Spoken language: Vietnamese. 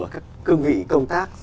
các cương vị công tác